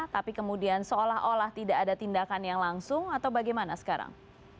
tapi kemudian seolah olah tidak ada tindakan yang langsung atau bagaimana sekarang